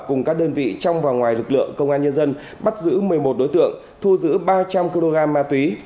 cùng các đơn vị trong và ngoài lực lượng công an nhân dân bắt giữ một mươi một đối tượng thu giữ ba trăm linh kg ma túy